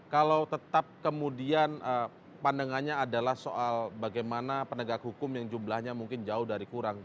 kalau tetap kemudian pandangannya adalah soal bagaimana penegak hukum yang jumlahnya mungkin jauh dari kurang